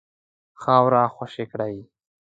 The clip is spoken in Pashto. خاوره خوشي کړي.